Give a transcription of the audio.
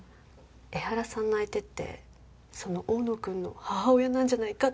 江原さんの相手ってその多野くんの母親なんじゃないかって。